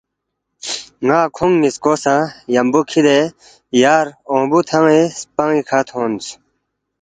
نا کھونگ نیسکو سا یمبو کھیدے یار اونگبو تھنگی سپنگی کھا تھون۔